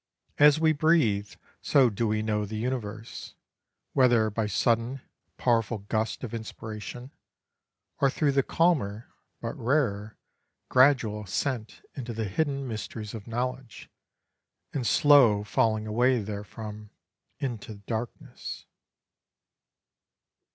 As we breathe so do we know the universe, whether by sudden, powerful gusts of inspiration, or through the calmer but rarer gradual ascent into the hidden mysteries of knowledge, and slow falling away therefrom into darkness.